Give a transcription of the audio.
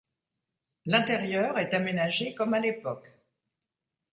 L’intérieur est aménagé comme à l'époque.